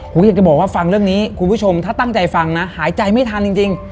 ผมอยากจะบอกว่าฟังเรื่องนี้คุณผู้ชมถ้าตั้งใจฟังนะหายใจไม่ทันจริง